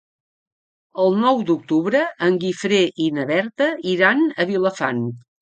El nou d'octubre en Guifré i na Berta iran a Vilafant.